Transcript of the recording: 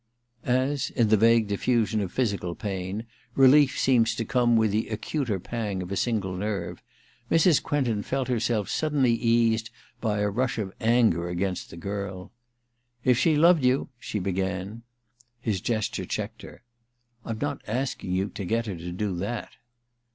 As, in the vague diffusion of phy^cal pdn, relief seems to come with the acuter pang of a single nerve, Mrs. Quentin felt herself suddenly eased by a rush of anger against the girl. ^ If she loved you * she began. His gesture checked her. 'Tm not asking you to get her to do that.'